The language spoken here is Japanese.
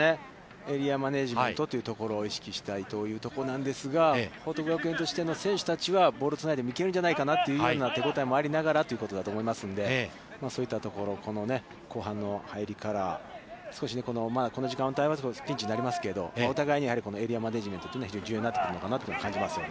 エリアマネジメント意識したいところなんですが、報徳学園としての選手たちはボールをつないでも行けるじゃないかなという手応えもありながらということだと思いますので、そういったところ後半の入りから少しこの時間帯はピンチになりますけど、お互いにこのエリアマネジメントは、非常に重要になってくるかなと感じますね。